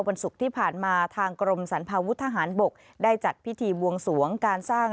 วันศุกร์ที่ผ่านมาทางกรมสรรพาวุฒิทหารบกได้จัดพิธีบวงสวงการสร้าง